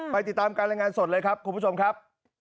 ไปติดตามการละงานจากสดครับ